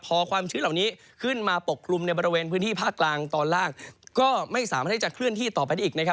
พอความชื้นเหล่านี้ขึ้นมาปกคลุมในบริเวณพื้นที่ภาคกลางตอนล่างก็ไม่สามารถที่จะเคลื่อนที่ต่อไปได้อีกนะครับ